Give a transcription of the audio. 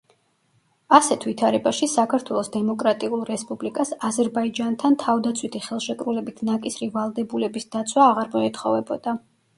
ასეთ ვითარებაში საქართველოს დემოკრატიულ რესპუბლიკას აზერბაიჯანთან თავდაცვითი ხელშეკრულებით ნაკისრი ვალდებულების დაცვა აღარ მოეთხოვებოდა.